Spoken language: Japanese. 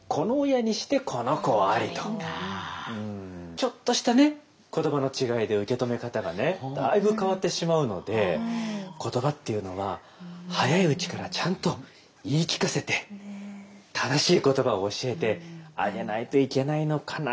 ちょっとしたね言葉の違いで受け止め方がねだいぶ変わってしまうので言葉っていうのは早いうちからちゃんと言い聞かせて正しい言葉を教えてあげないといけないのかなというのがですね